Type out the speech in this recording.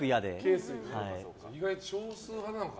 意外と少数派なんだ。